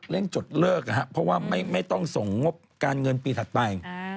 จดเลิกนะครับเพราะว่าไม่ต้องส่งงบการเงินปีถัดไป